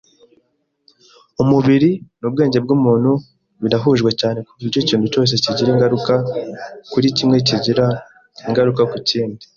Umubiri nubwenge bwumuntu birahujwe cyane kuburyo ikintu cyose kigira ingaruka kuri kimwe kigira ingaruka ku kindi.